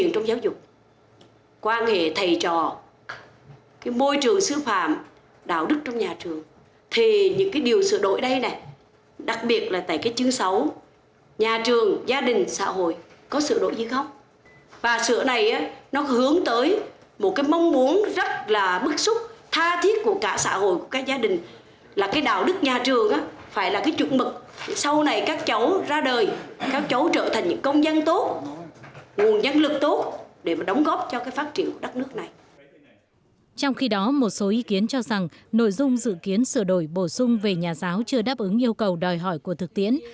trong khi đó một số ý kiến cho rằng nội dung dự kiến sửa đổi bổ sung về nhà giáo chưa đáp ứng yêu cầu đòi hỏi của thực tiễn